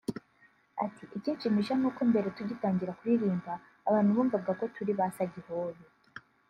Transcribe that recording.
ati “Icyinshimisha nuko mbere tugitangira kuririmba abantu bumvaga ko turi basagihobe